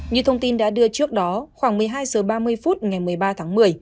như thông tin đã đưa trước đó khoảng một mươi hai h ba mươi phút ngày một mươi ba tháng một mươi